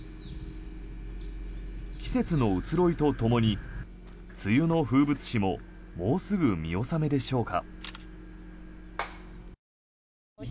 季節の移ろいとともに梅雨の風物詩ももうすぐ見納めでしょうか。